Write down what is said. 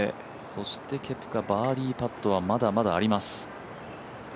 そしてケプカ、バーディーパットはまだまだあります。